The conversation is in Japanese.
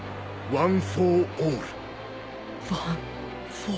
ワン・フォー・オール。